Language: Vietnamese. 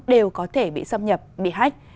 đều có thể bị xâm nhập bị hách